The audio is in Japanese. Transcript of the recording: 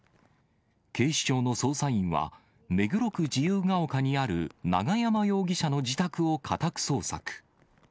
警視庁の捜査員は、目黒区自由が丘にある永山容疑者の自宅を家宅捜索。